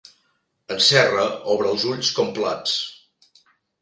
En Serra obre els ulls com plats.